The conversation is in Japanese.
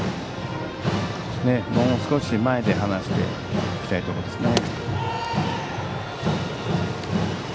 もう少し前で放していきたいところですね。